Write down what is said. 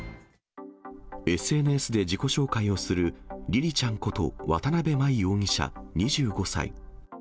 ＳＮＳで自己紹介をするりりちゃんこと渡辺真衣容疑者２５歳。